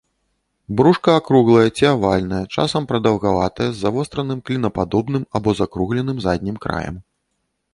Брушка акруглае ці авальнае, часам прадаўгаватае, з завостраным, клінападобным або закругленым заднім краем.